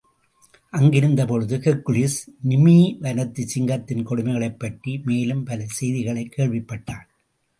அங்கிருந்த பொழுது ஹெர்க்குலிஸ் நிமீ வனத்துச் சிங்கத்தின் கொடுமைகளைப் பற்றி மேலும் பல செய்திகளைக் கேள்விப்பட்டான்.